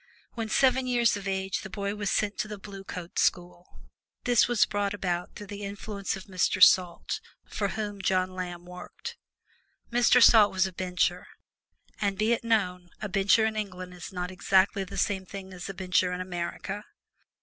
When seven years of age the boy was sent to the Blue Coat School. This was brought about through the influence of Mr. Salt, for whom John Lamb worked. Mr. Salt was a Bencher, and be it known a Bencher in England is not exactly the same thing as a Bencher in America.